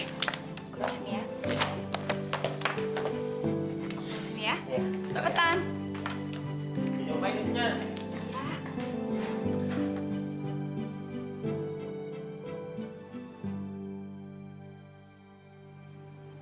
nanti aku pake jantannya